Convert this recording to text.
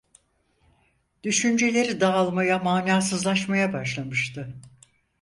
Düşünceleri dağılmaya, manasızlaşmaya başlamıştı…